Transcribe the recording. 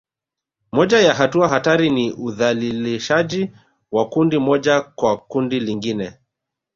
Moja ya hatua hatari ni udhalilishaji wa kundi moja kwa kundi lingine